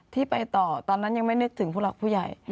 ที่ไปต่อตอนนั้นยังไม่นึกถึงผู้หลักผู้ใหญ่